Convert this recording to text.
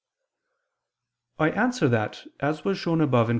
I answer that, As was shown above (Q.